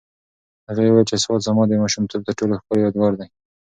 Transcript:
هغې وویل چې سوات زما د ماشومتوب تر ټولو ښکلی یادګار دی.